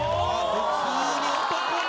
普通に男前。